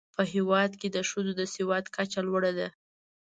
په هېواد کې د ښځو د سواد کچه لوړه ده.